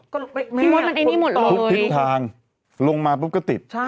ก็พี่มดมันไอ้นี่หมดเลยทุกทิศทางลงมาปุ๊บก็ติดใช่